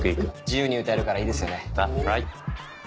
自由に歌えるからいいですよね。